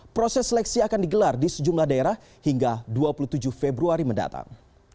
proses seleksi akan digelar di sejumlah daerah hingga dua puluh tujuh februari mendatang